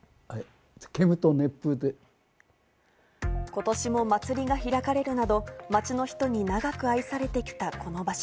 今年も祭りが開かれるなど、街の人に長く愛されてきた、この場所。